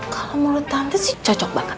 kalau menurut tante sih cocok banget